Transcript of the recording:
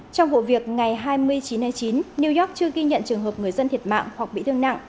trong hộ việc ngày hai mươi chín hai mươi chín new york chưa ghi nhận trường hợp người dân thiệt mạng hoặc bị thương nặng